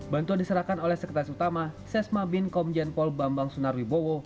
bantuan diserahkan oleh sekretaris utama sesma bin komjen pol bambang sunarwibowo